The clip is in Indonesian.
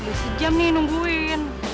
udah sejam nih nungguin